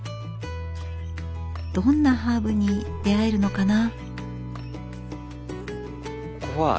どんなハーブに出会えるのかな。